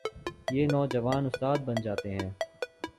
یہ نوجوان استاد بن جاتے ہیں۔